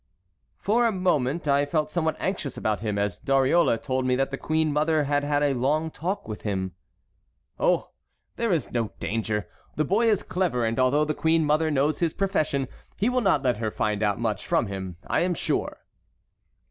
"For a moment I felt somewhat anxious about him, as Dariole told me that the queen mother had had a long talk with him." "Oh! there is no danger. The boy is clever, and although the queen mother knows his profession he will not let her find out much from him, I am sure."